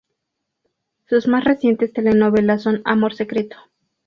Sus más recientes telenovelas son "Amor Secreto".